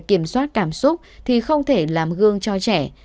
kiểm soát cảm xúc thì không thể làm gương cho trẻ